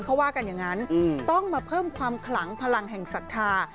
เขาว่ากันอย่างนั้นต้องมาเพิ่มความขลังพลังแห่งศรัทธา